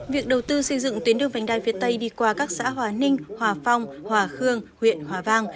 việc đầu tư xây dựng tuyến đường vành đai phía tây đi qua các xã hòa ninh hòa phong hòa khương huyện hòa vang